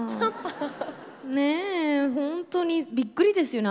ねえ本当にびっくりですよね